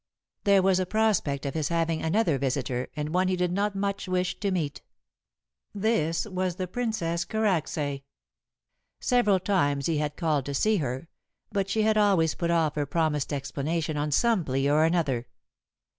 There was a prospect of his having another visitor, and one he did not much wish to meet. This was the Princess Karacsay. Several times he had called to see her, but she had always put off her promised explanation on some plea or another.